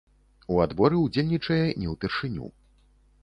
У адборы ўдзельнічае не ўпершыню.